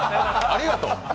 ありがとう。